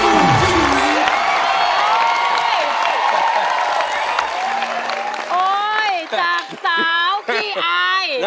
โอ้ยจากสาวพี่ไอ